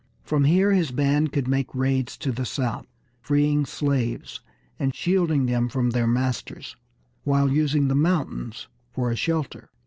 From here his band could make raids to the south, freeing slaves, and shielding them from their masters, while using the mountains for a shelter.